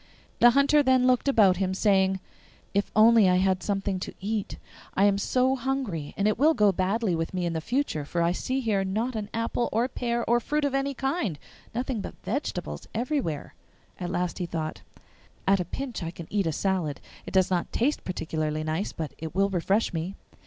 The Hunter then looked about him, saying, 'If only I had something to eat! I am so hungry, and it will go badly with me in the future, for I see here not an apple or pear or fruit of any kind nothing but vegetables everywhere.' At last he thought, 'At a pinch I can eat a salad; it does not taste particularly nice, but it will refresh me.